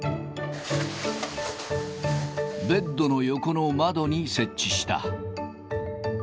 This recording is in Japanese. ベッドの横の窓に設置した。